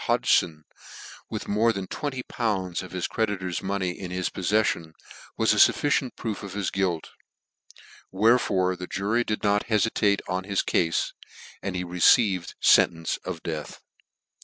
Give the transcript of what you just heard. Hodgfon, with more than twen: y pounds of Sis creditors money in his poffeili .i', WHS a <i fmi nt proof of his guilt , wherefore r; . jurv ia .; t ..e fitate on his cale, and he received fentence of death.